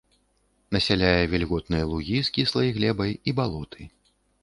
Насяляе вільготныя лугі з кіслай глебай і балоты.